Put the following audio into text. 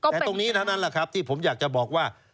แก่ตรงนี้เท่านั้นที่ผมอยากจะบอกว่า